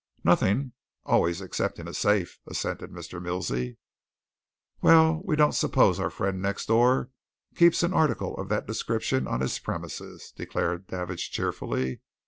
"Nothing! always excepting a safe," assented Mr. Milsey. "Well, we don't suppose our friend next door keeps an article of that description on his premises," said Davidge cheerfully.